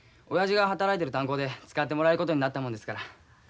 親父が働いてる炭鉱で使ってもらえることになったもんですから。